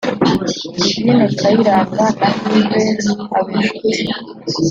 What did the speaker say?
Divin Kayiranga na Yves Habinshuti